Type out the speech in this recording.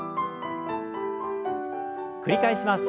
繰り返します。